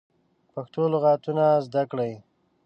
پښتو لغاتونه زده کړی